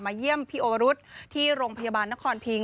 เยี่ยมพี่โอวรุษที่โรงพยาบาลนครพิง